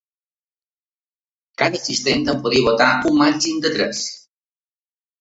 Cada assistent en podia votar un màxim de tres.